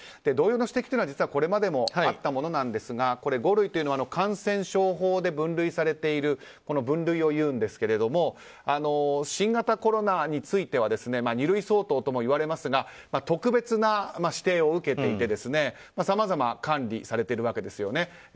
同様の指摘は実はこれまでもあったものなんですが五類というのは感染症法で分類されている分類をいいますが新型コロナについては二類相当ともいわれますが特別な指定を受けていてさまざま管理されているわけですよね。